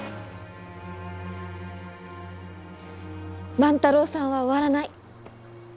万太郎さんは終わらない！